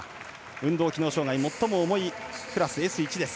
運動機能障がい、最も重いクラスＳ１です。